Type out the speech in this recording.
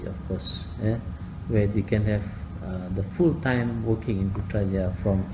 dimana anda bisa bekerja sepenuh waktu di putrajaya dari delapan hingga lima